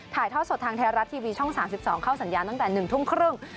ถ่ายทอดสดทางไทยรัฐทีวีช่อง๓๒เข้าสัญญาณตั้งแต่๑ทุ่มครึ่ง